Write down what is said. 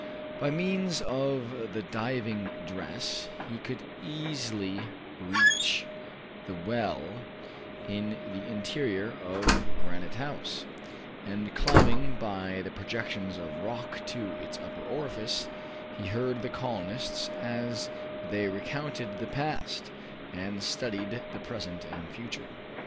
By means of the diving dress he could easily reach the well in the interior of Granite House, and climbing by the projections of rock to its upper orifice he heard the colonists as they recounted the past, and studied the present and future.